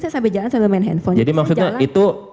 saya sambil jalan sambil main handphone jadi maksudnya itu